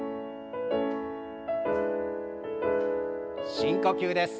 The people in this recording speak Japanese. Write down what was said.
深呼吸です。